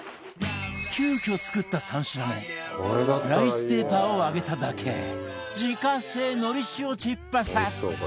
急遽作った３品目ライスペーパーを揚げただけ自家製のり塩チップス